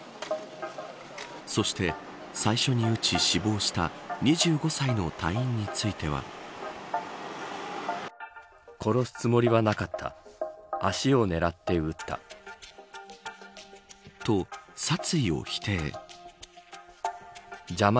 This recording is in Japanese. そして、最初に撃ち死亡した２５歳の隊員については。と、殺意を否定。